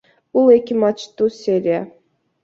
Бул эки матчтуу серия.